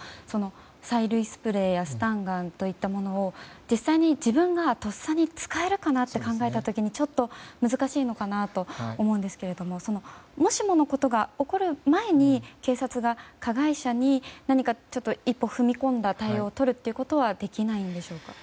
催涙スプレーやスタンガンといったものを実際に自分がとっさに使えるかなって考えた時にちょっと難しいのかなと思うんですけどもしものことが起こる前に警察が加害者に何か一歩踏み込んだ対応をとることはできないんでしょうか。